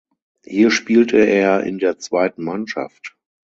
Hier spielte er in der zweiten Mannschaft.